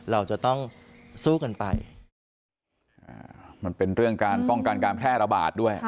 เราจะต้องสู้กันไปมันเป็นเรื่องการป้องกันการแพร่ระบาดด้วย